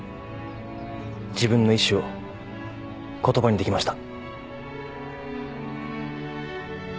自分の意志を言葉にできました。